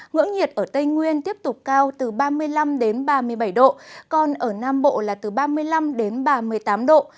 ngưỡng nhiệt ở tây nguyên tiếp tục cao từ ba mươi năm đến ba mươi bảy độ còn ở nam bộ là từ ba mươi năm đến ba mươi tám độ